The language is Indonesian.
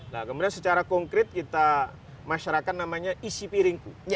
nah kemudian secara konkret kita masyarakat namanya isi piringku